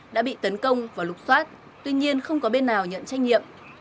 đã bị tấn công và lục xoát tuy nhiên không có bên nào nhận trách nhiệm